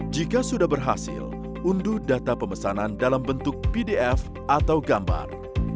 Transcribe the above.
jika sudah berhasil unduh data pemesanan dalam bentuk pdf atau gambar